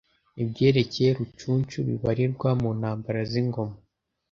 ibyerekeye rucunshu bibarirwa mu ntambara z'ingoma.